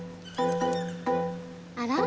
あら？